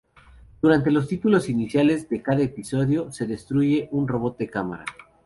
Durante los títulos iniciales de cada episodio, se destruye un robot de cámara.